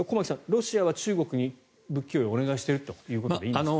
ロシアは中国に武器供与をお願いしているということでいいんですか。